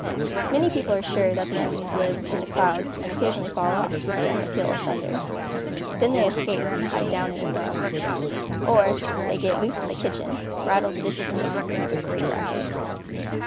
Many people are sure that the Onis live in the clouds and occasionally fall off, during a peal of thunder. Then they escape and hide down in a well. Or, they get loose in the kitchen, rattle the dishes around, and make a great racket.